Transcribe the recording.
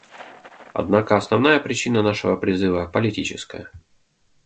Однако основная причина нашего призыва — политическая.